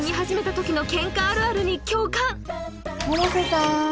百瀬さん